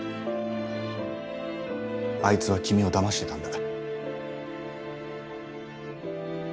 あいつは君をだましてたんだ。